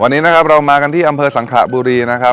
วันนี้นะครับเรามากันที่อำเภอสังขบุรีนะครับ